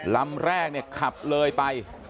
ลำแรกขับเลยไป